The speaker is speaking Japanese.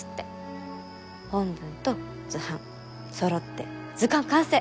本文と図版そろって図鑑完成！